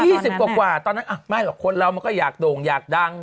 สิบกว่าตอนนั้นอ่ะไม่หรอกคนเรามันก็อยากโด่งอยากดัง